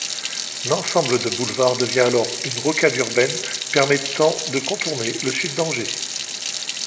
L'ensemble de boulevards devient alors une rocade urbaine permettant de contourner le sud d'Angers.